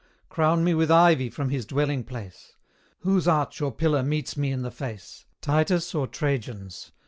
Crown me with ivy from his dwelling place. Whose arch or pillar meets me in the face, Titus or Trajan's?